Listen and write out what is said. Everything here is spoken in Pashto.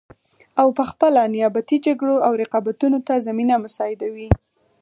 او پخپله نیابتي جګړو او رقابتونو ته زمینه مساعدوي